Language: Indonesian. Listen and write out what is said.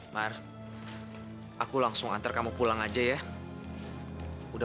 mar aku langsung antar kamu pulang aja ya udah